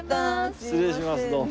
失礼しますどうも。